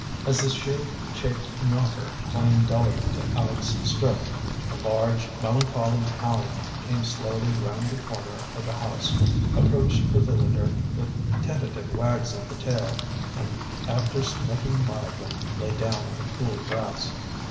As the shield shaped knocker clanged dully to Aleck's stroke, a large, melancholy hound came slowly round the corner of the house, approached the visitor with tentative wags of the tail, and after sniffing mildly, lay down on the cool grass.